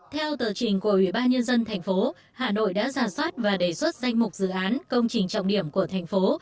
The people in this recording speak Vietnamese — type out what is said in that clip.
theo tờ trình của ủy ban nhân dân thành phố hà nội đã giả soát và đề xuất danh mục dự án công trình trọng điểm của thành phố